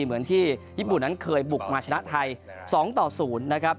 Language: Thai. เหมือนที่ญี่ปุ่นนั้นเคยบุกมาชนะไทย๒ต่อ๐นะครับ